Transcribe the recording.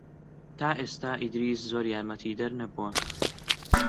تا ئێستا ئیدریس زۆر یارمەتیدەر نەبووە.